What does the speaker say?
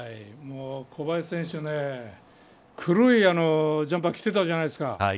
小林選手、黒いジャンパーを着てたじゃないですか。